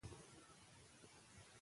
دا طریقه ډېرې اوبه لګوي.